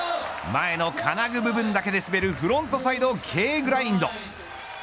前の金具部分だけで滑るフロントサイドＫグラインド。